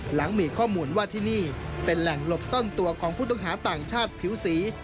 หลังมีข้อมูลว่าที่นี่เป็นแหล่งหลบต้นตัวของพุทธงศาสตร์ต่างชาติผิวสี